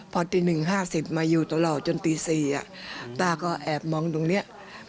พอจิน๑๕๐นมาอยู่ทั้งหลังจนตี๑๔๐๐นต้าก็แอบมองตรงนี้